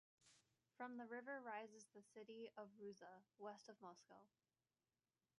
From the river rises the city of Rouza, West of Moscow.